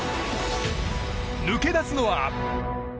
抜け出すのは。